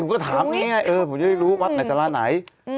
ผมก็ถามง่ายผมไม่ได้รู้วัดไหนศาลาไหน